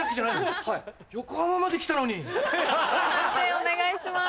判定お願いします。